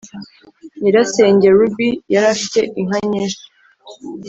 nyirasenge ruby yari afite inka nyishi,